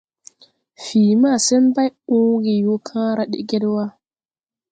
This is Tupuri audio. Fii masen bày ɔɔge yoo kããra deged wa.